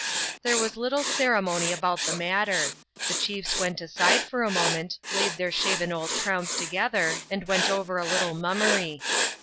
There was little ceremony about the matter. The chiefs went aside for a moment, laid their shaven old crowns together, and went over a little mummery.